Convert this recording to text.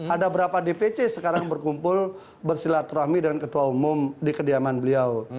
ada berapa dpc sekarang berkumpul bersilaturahmi dengan ketua umum di kediaman beliau